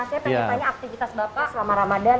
saya pengen tanya aktivitas bapak selama ramadan